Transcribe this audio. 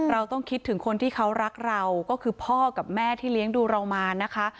เราต้องคิดถึงคนที่เขารักเราก็คือพ่อกับแม่ที่เลี้ยงดูเรามานะคะ